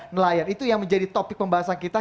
nelayan itu yang menjadi topik pembahasan kita